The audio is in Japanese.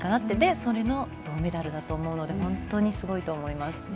それの銅メダルだと思うので本当にすごいと思います。